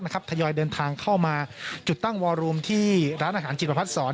นะครับทยอย์เดินทางเข้ามาจุดตั้งที่ร้านอาหารจิตประพัทย์สอน